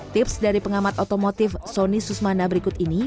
tips dari pengamat otomotif sony susmana berikut ini